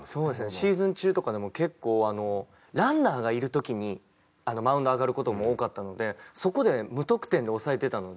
シーズン中とかでも結構ランナーがいる時にマウンド上がる事も多かったのでそこで無得点で抑えてたので。